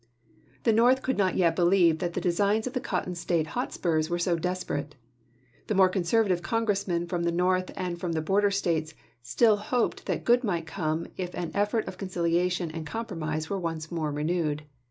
The North could not yet believe that the designs of the Cotton State hotspurs were so desperate. The more conservative Congressmen from the North and from the border States still hoiked that good might come if an effort of conciliation and compromise were once more renewed.